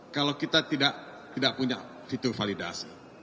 kalau kita tidak punya fitur validasi